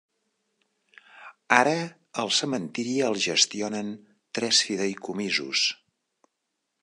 Ara, el cementiri el gestionen tres fideïcomisos.